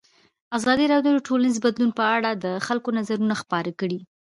ازادي راډیو د ټولنیز بدلون په اړه د خلکو نظرونه خپاره کړي.